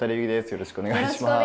よろしくお願いします。